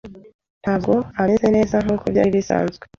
Ntabwo ameze neza nkuko byari bisanzwe.